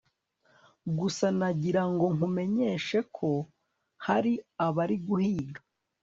gusa nagira ngo nkumenyeshe ko hari abari guhiga